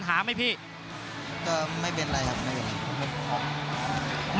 สวัสดีครับ